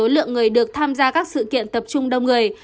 lượng người được tham gia các sự kiện tập trung đông người